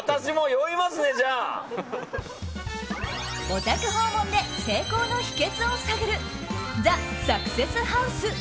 お宅訪問で成功の秘訣を探るＴＨＥサクセスハウス